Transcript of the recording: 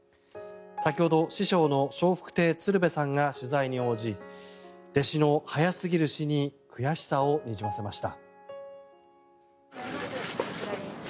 先ほど師匠の笑福亭鶴瓶さんが取材に応じ弟子の早すぎる死に悔しさをにじませました。